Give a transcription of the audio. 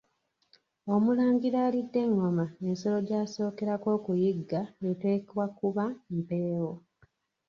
Omulangira alidde engoma ensolo gy’asookerako okuyigga eteekwa kuba mpeewo.